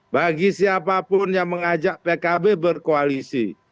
bagi siapapun yang mengajak pkb berkoalisi